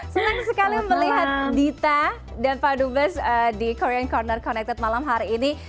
senang sekali melihat dita dan pak dubes di korean corner connected malam hari ini